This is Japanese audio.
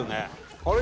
あれ？